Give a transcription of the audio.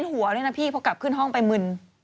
เร้นหัวด้วยนะพี่เพราะกลับขึ้นห้องไปมึน